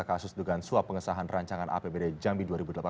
kasus dugaan suap pengesahan rancangan apbd jambi dua ribu delapan belas